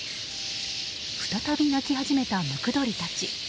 再び鳴き始めたムクドリたち。